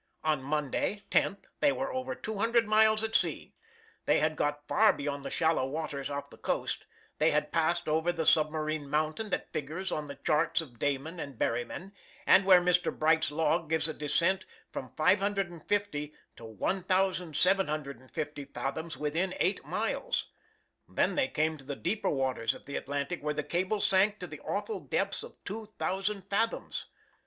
"On Monday (10th) they were over two hundred miles at sea. They had got far beyond the shallow waters off the coast. They had passed over the submarine mountain that figures on the charts of Dayman and Berryman, and where Mr. Bright's log gives a descent from 550 to 1,750 fathoms within eight miles. Then they came to the deeper waters of the Atlantic where the cable sank to the awful depths of 2,000 fathoms.